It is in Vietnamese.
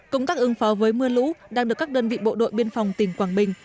công tác ứng phó với mưa lũ đang được các đơn vị bộ đội biên phòng tỉnh quảng bình